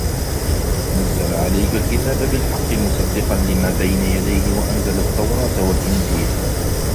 نزل عليك الكتاب بالحق مصدقا لما بين يديه وأنزل التوراة والإنجيل